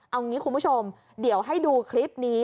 เอางี้คุณผู้ชมเดี๋ยวให้ดูคลิปนี้